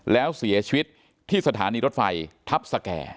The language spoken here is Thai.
แล้วเสียชีวิตที่สถานีรถไฟทัพสแก่